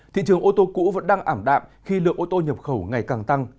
thị trường ô tô cũ vẫn đang ảm đạm khi lượng ô tô nhập khẩu ngày càng tăng